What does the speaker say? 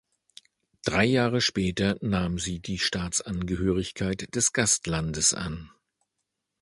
Drei Jahre später nahm sie die Staatsangehörigkeit des Gastlandes an.